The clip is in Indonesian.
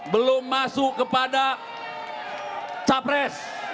belum masuk kepada capres